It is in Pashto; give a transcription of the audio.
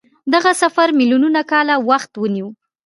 دغه سفر میلیونونه کاله وخت ونیو.